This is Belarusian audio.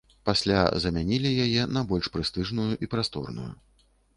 Пасля замянілі яе на больш прэстыжную і прасторную.